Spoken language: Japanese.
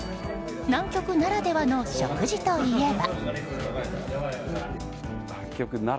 南極ならではの食事といえば。